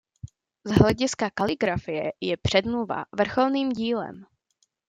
Z hlediska kaligrafie je "Předmluva" vrcholným dílem.